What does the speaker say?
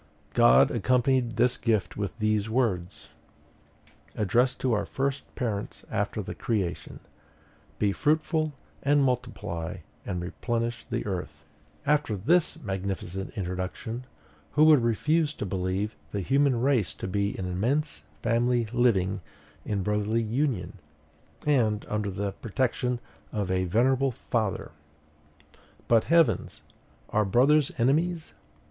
God accompanied this gift with these words, addressed to our first parents after the creation: 'Be fruitful, and multiply and replenish the earth,'" &c. After this magnificent introduction, who would refuse to believe the human race to be an immense family living in brotherly union, and under the protection of a venerable father? But, heavens! are brothers enemies?